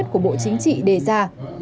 của bộ chính trị đề ra